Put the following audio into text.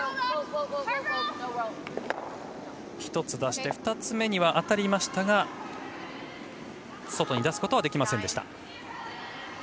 １つ出して２つ目には当たりましたが外に出すことはできませんでした。